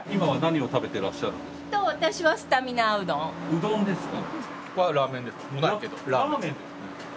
うどんですか。